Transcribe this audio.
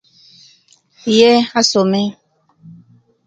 Ye asome